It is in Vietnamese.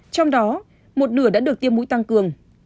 trong đó một nửa đã được tiêm mũi tăng cường